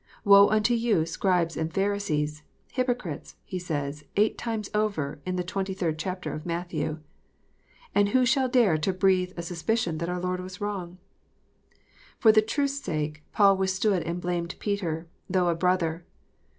" Woe unto you, Scribes and Pharisees, hypocrites," He says, eight times over, in the twenty third chapter of Matthew. And who shall dare to breathe a suspicion that our Lord was wrong ? For the truth s sake, Paul withstood and blamed Peter, though a brother.